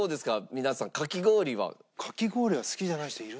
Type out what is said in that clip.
皆さんかき氷は。